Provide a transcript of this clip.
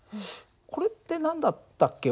これって何だったっけ？